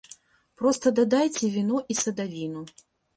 Проста дадайце віно і садавіну.